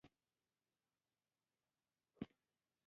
لومړي وزیر په دولتي ادارو کې د ازموینې اخیستو شرایط وضع کړل.